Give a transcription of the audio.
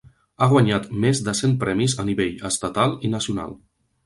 Ha guanyat més de cent premis a nivell estatal i nacional.